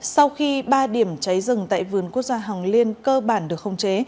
sau khi ba điểm cháy rừng tại vườn quốc gia hồng liên cơ bản được không chế